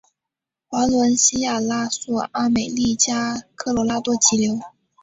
华伦西亚拉素阿美利加科罗拉多急流